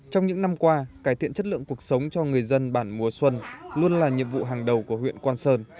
trong những năm qua cải thiện chất lượng cuộc sống cho người dân bản mùa xuân luôn là nhiệm vụ hàng đầu của huyện quang sơn